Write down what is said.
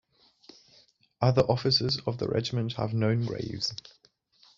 Other officers of the regiment have known graves.